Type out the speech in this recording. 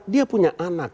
dia punya anak